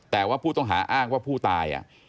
แต่ว่าผู้ต้องหาอ้างว่าผู้ตาย